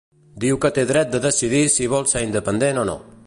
Diu que té dret de decidir si vol ser independent o no.